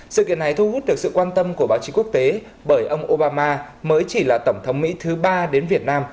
sự kiện này thu hút được sự quan tâm của báo chí quốc tế bởi ông obama mới chỉ là tổng thống mỹ thứ ba đến việt nam